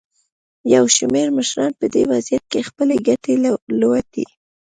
یو شمېر مشران په دې وضعیت کې خپلې ګټې لټوي.